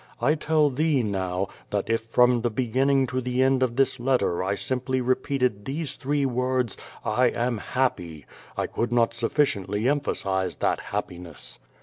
I tell thee now, that if from the be ginning to the end of this letter I simply repeated these three words, "I am happy,'' I could not sufficiently emphasize that happiness.